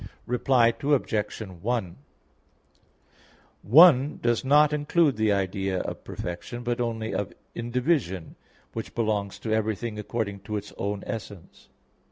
Reply Obj. 1: "One" does not include the idea of perfection, but only of indivision, which belongs to everything according to its own essence.